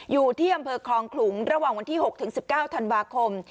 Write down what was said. อยู่ที่อำเภอคลองขลุงระหว่างวันที่๖ถึง๑๙ธันวาคม